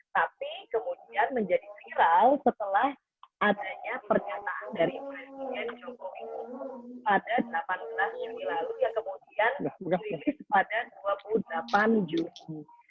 tapi kemudian menjadi viral setelah adanya pernyataan dari presiden jokowi pada delapan belas juni lalu yang kemudian kritis pada dua puluh delapan juni